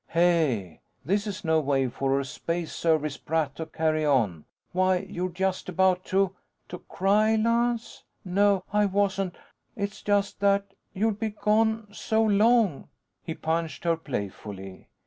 "Hey! This is no way for a Space Service brat to carry on. Why, you're just about to " "To cry, Lance? No, I wasn't. It's just that ... you'll be gone so long." He punched her playfully.